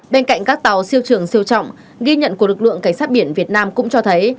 bên cạnh các tàu siêu trường siêu trọng ghi nhận của lực lượng cảnh sát biển việt nam cũng cho thấy